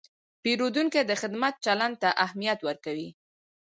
پیرودونکی د خدمت چلند ته اهمیت ورکوي.